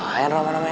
apaan romanya asmi